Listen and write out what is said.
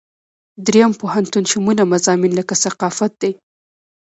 دریم پوهنتون شموله مضامین لکه ثقافت دي.